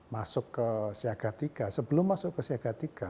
masuk ke siaga tiga sebelum masuk ke siaga tiga